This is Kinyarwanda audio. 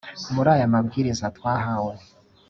muri aya mabwiriza twahawe,